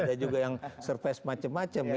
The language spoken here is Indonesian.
ada juga yang surprise macam macam ya